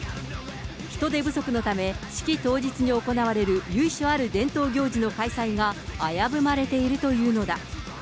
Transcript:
人手不足のため、式当日に行われる由緒ある伝統行事の開催が危ぶまれているというのだ。